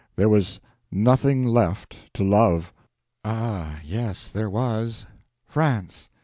There was nothing left to love." "Ah, yes, there was—France!